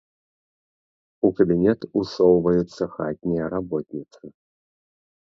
У кабінет усоўваецца хатняя работніца.